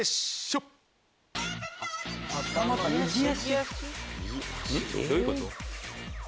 うん？どういうこと？